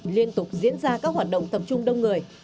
liên tục diễn ra các hoạt động tập trung đông người